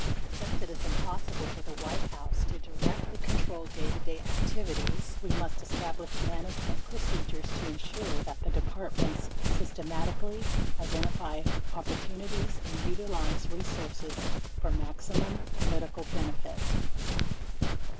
Since it is impossible for tlie White House to directly control day to day activities, we must establish management procedures to ensure that the Departments sys tematically identify opportunities and utilize resources for maximum political benefit.